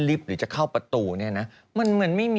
แล้วก็มีเหมือนกัน